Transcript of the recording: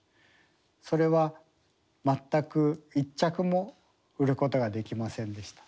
それは全く１着も売ることができませんでした。